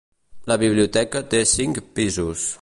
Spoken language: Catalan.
La biblioteca té cinc pisos.